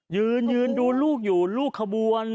ยืนยืนดูลูกอยู่ลูกขบวน